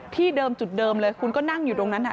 เดิมจุดเดิมเลยคุณก็นั่งอยู่ตรงนั้น